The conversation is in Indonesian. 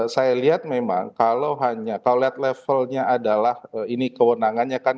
saya lihat memang kalau hanya kalau lihat levelnya adalah ini kewenangannya kan